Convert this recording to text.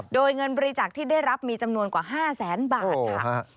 โดยเงินบริจาคที่ได้รับมีจำนวนกว่า๕แสนบาทค่ะ